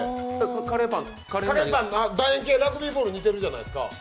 カレーパン、ラグビーボールに似てるじゃないですか。